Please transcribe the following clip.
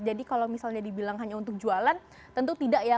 jadi kalau misalnya dibilang hanya untuk jualan tentu tidak ya